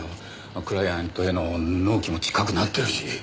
クライアントへの納期も近くなってるし。